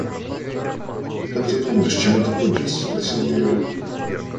«Как ты думаешь, чем это кончится?» – спросил я его.